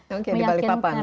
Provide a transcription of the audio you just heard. oke di balik papan